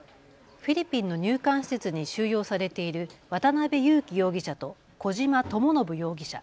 フィリピンの入管施設に収容されている渡邉優樹容疑者と小島智信容疑者。